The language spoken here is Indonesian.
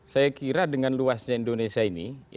saya kira dengan luasnya indonesia ini